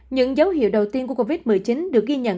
những dấu hiệu đầu tiên của covid một mươi chín được ghi nhận